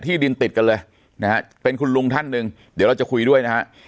ดินติดกันเลยนะฮะเป็นคุณลุงท่านหนึ่งเดี๋ยวเราจะคุยด้วยนะฮะ